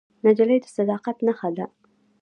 نجلۍ د صداقت نښه ده.